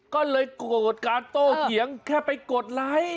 ก็เลยโกรธการโต้เถียงแค่ไปกดไลค์